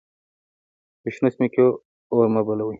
په شنو سیمو کې اور مه بل کړئ.